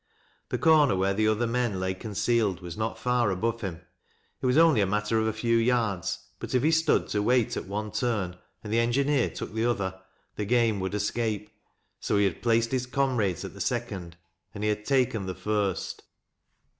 The corner where the other men lay concealed was not far above him. It was only a matter of a few yards, but if he stood to wait at one turn and the engineer took the other, the game would escape. So he had placed his comrades at the second, and he had taken the first.